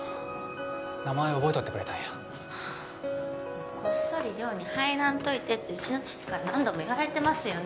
名前覚えとってくれたんやこっそり寮に入らんといてってうちの父から何度も言われてますよね？